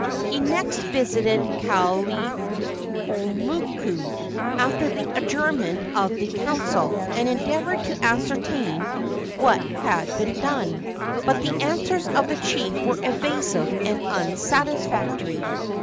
He next visited Kalaimoku, after the adjournment of the council, and endeavored to ascertain what had been done, but the answers of the chief were evasive and unsatisfactory.